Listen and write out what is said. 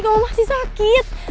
kamu masih sakit